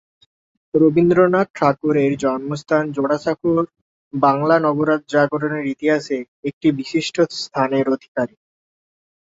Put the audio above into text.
রবীন্দ্রনাথ ঠাকুরের জন্মস্থান জোড়াসাঁকো বাংলার নবজাগরণের ইতিহাসে এক বিশিষ্ট স্থানের অধিকারী।